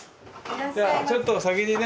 じゃあちょっと先にね